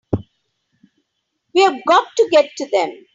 We've got to get to them!